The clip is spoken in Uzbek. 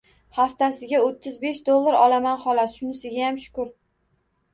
Haftasiga o`ttiz besh dollar olaman xolos, shunisigayam shukur